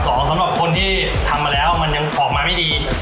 สำหรับคนที่ทำมาแล้วมันยังออกมาไม่ดี